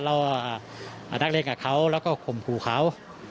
เรานักเลงกับเขาแล้วก็คมภูเขา